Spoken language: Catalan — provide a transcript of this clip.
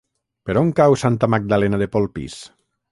Per on cau Santa Magdalena de Polpís?